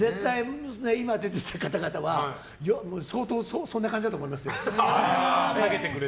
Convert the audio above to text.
今出ていた方々は相当、そんな感じだと思います。